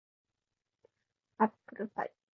アップルパイ